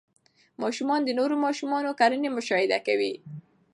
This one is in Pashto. ماشومان د نورو ماشومانو کړنې مشاهده کوي.